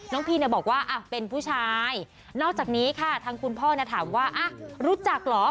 พี่เนี่ยบอกว่าเป็นผู้ชายนอกจากนี้ค่ะทางคุณพ่อถามว่ารู้จักเหรอ